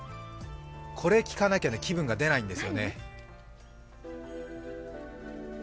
これ、聴かなきゃ気分が出ないんですよね。